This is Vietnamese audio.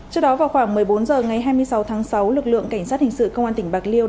trước đó vào khoảng một mươi bốn h ngày hai mươi sáu tháng sáu lực lượng cảnh sát hình sự công an tỉnh bạc liêu